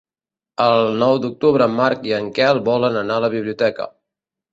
El nou d'octubre en Marc i en Quel volen anar a la biblioteca.